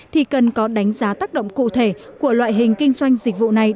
thì cần có đánh giá tác động cụ thể của loại hình kinh doanh dịch vụ này